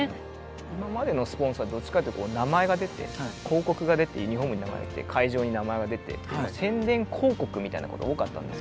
今までのスポンサーどっちかっていうと名前が出て広告が出てユニフォームに名前が出て会場に名前が出てっていう宣伝広告みたいなこと多かったんですけど。